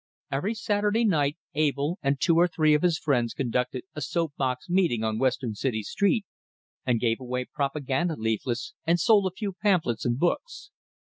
Every Saturday night Abell and two or three of his friends conducted a soap box meeting on Western City Street, and gave away propaganda leaflets and sold a few pamphlets and books.